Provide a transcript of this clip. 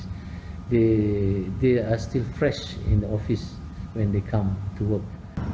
anda masih bisa bekerja di ofis semasa anda datang